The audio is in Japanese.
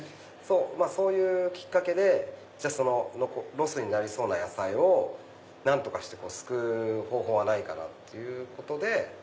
そういうきっかけでロスになりそうな野菜を何とかして救う方法はないかなっていうことで。